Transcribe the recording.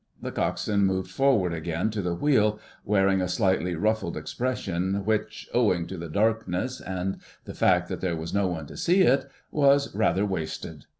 The Coxswain moved forward again to the wheel, wearing a slightly ruffled expression which, owing to the darkness and the fact that there was no one to see it, was rather wasted.